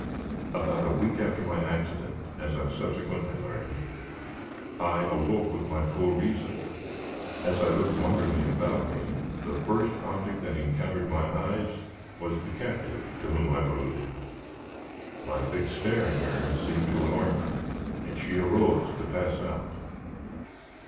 About a week after my accident, as I subsequently learned, I awoke with my full reason. As I looked wonderingly about me, the first object that encountered my eyes was the captive to whom I have alluded. My fixed stare at her seemed to alarm her, and she arose to pass out.